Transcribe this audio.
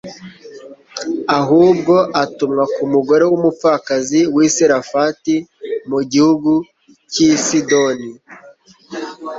ahubwo atumwa ku mugore w'umupfakazi w'i Serefati mu gihugu cy'i Sidoni.